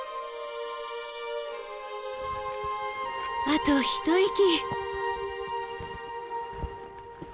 あと一息。